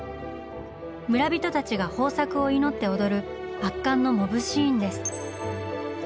村人たちが豊作を祈って踊る圧巻の「モブシーン」です。